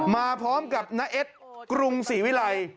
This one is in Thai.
มาพร้อมกับน้าเอ็ดกรุงศรีวิรัย